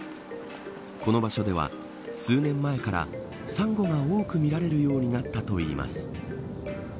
この場所では、数年前からサンゴが多く見られるようになったといいます。